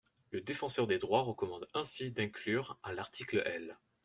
Le Défenseur des droits recommande ainsi d’inclure à l’article L.